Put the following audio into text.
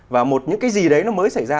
và một những cái gì đấy nó mới xảy ra